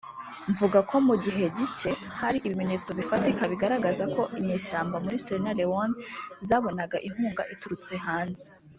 mvuga ko mu gihe cye hari ibimenyetso bifatika bigaragaza ko inyeshyamba muri Sierra Leone zabonaga inkunga iturutse hanze